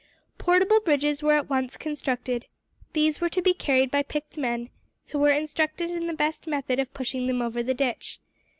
Portable bridges were at once constructed. These were to be carried by picked men, who were instructed in the best method of pushing them over the ditch.